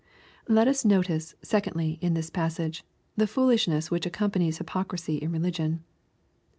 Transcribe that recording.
Let us notice, secondly, in this passage, the foolishness which accompanies hypocrisy in religion.